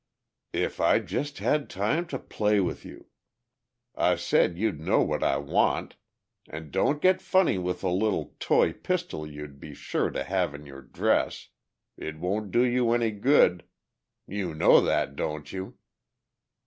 "If I just had time to play with you ... I said you'd know what I want. And don't get funny with the little toy pistol you'd be sure to have in your dress. It won't do you any good; you know that, don't you?"